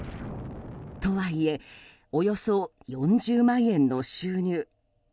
とはいえおよそ４０万円の収入。